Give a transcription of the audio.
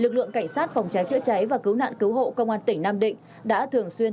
công an tỉnh nam định đã thường xuyên